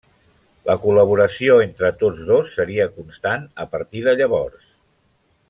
La col·laboració entre tots dos seria constant a partir de llavors.